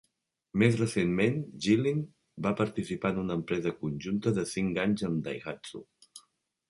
Més recentment, Jilin va participar en una empresa conjunta de cinc anys amb Daihatsu.